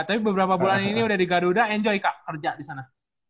tapi beberapa bulan ini udah di garuda enjoy kak kerja di sana